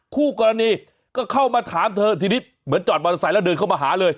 คู่กรณีก็เข้ามาถามเธอทีนี้เหมือนจอดมอเตอร์ไซค์แล้วเดินเข้ามาหาเลย